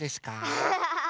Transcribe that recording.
アハハハ！